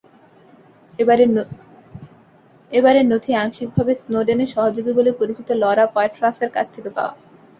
এবারের নথি আংশিকভাবে স্নোডেনের সহযোগী বলে পরিচিত লরা পয়ট্রাসের কাছ থেকে পাওয়া।